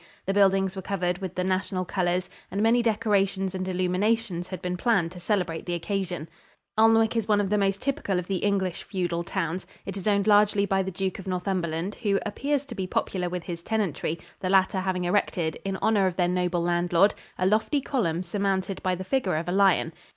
The buildings were covered with the national colors and many decorations and illuminations had been planned to celebrate the occasion. Alnwick is one of the most typical of the English feudal towns. It is owned largely by the Duke of Northumberland, who appears to be popular with his tenantry, the latter having erected, in honor of their noble landlord, a lofty column surmounted by the figure of a lion.